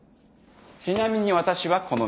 ちなみに私はこの耳。